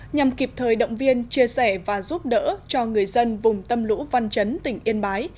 nhằm kịp thời động viên chia sẻ và giúp đỡ cho người dân vùng tâm lũ văn chấn tỉnh yên bái